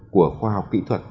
của khoa học kỹ thuật